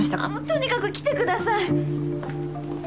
とにかく来てください。